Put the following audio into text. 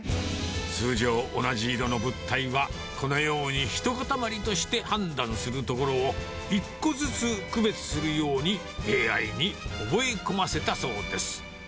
通常、同じ色の物体はこのようにひと固まりとして判断するところを、１個ずつ区別するようにＡＩに覚え込ませたそうです。